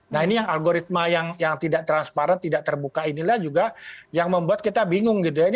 nah ini yang algoritma yang tidak transparan tidak terbuka inilah juga yang membuat kita bingung gitu ya